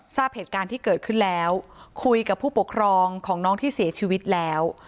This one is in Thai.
ทราบเหตุการณ์ที่เกิดขึ้นแล้วคุยกับผู้ปกครองของน้องที่เสียชีวิตแล้ว